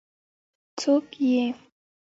ـ څوک یې؟